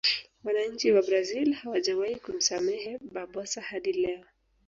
wananchi wa brazil hawajawahi kumsamehe barbosa hadi leo